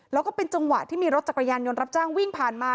แล้วก็เป็นจังหวะที่มีรถจักรยานยนต์รับจ้างวิ่งผ่านมา